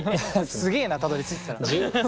すげえなたどりついてたら。